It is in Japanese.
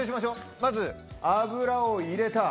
まず油を入れた。